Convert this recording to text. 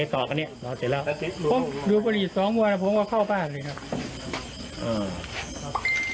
โหรูปรีส๒บ่านผมก็เข้าบ้านเลย